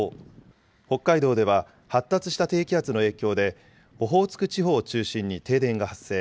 北海道では発達した低気圧の影響で、オホーツク地方を中心に停電が発生。